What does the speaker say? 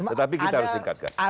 tetapi kita harus meningkatkan